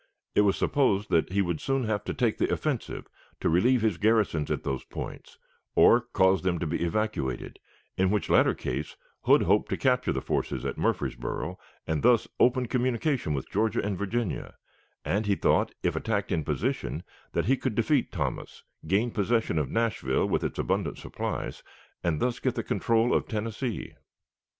It was supposed that he would soon have to take the offensive to relieve his garrisons at those points, or cause them to be evacuated, in which latter case Hood hoped to capture the forces at Murfreesboro, and thus open communication with Georgia and Virginia; and he thought, if attacked in position, that he could defeat Thomas, gain possession of Nashville with its abundant supplies, and thus get the control of Tennessee.